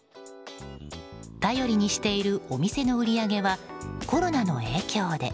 頼りにしているお店の売り上げはコロナの影響で。